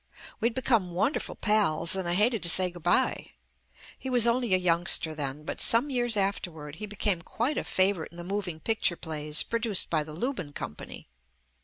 We'd become wonderful pals and I hated to say good bye. He was only a young ster then, but some years afterward he became quite a favourite in the moving picture plays produced by the Lubin Company.